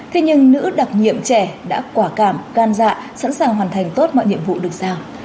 thế nhưng nữ đặc nhiệm trẻ đã quả cảm gan dạ sẵn sàng hoàn thành tốt mọi nhiệm vụ được sao